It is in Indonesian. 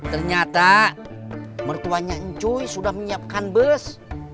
ternyata mertuanya enjoy sudah menyiapkan bus